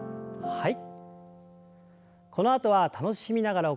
はい。